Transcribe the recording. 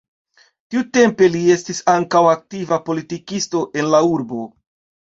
Tiutempe li estis ankaŭ aktiva politikisto en la urbo.